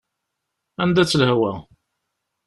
Anda-tt lehwa?